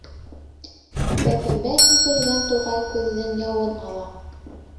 Бәпембә һибелгән туғай күҙҙең яуын ала.